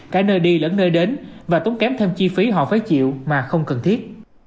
cả nơi đi lẫn nơi đến và tốn kém thêm chi phí họ phải chịu mà không cần thiết